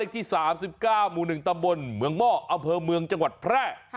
ที่๓๙หมู่๑ตำบลเมืองหม้ออำเภอเมืองจังหวัดแพร่